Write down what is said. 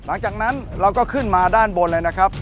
หลังจากนั้นเราก็ขึ้นมาด้านบนเลยนะครับ